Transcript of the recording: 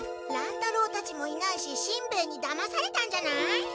乱太郎たちもいないししんべヱにだまされたんじゃない？